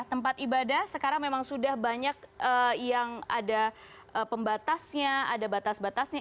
tempat ibadah sekarang memang sudah banyak yang ada pembatasnya ada batas batasnya